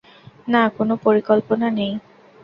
না, কোনো পরিকল্পনা নেই।